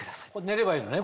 寝ればいいのね？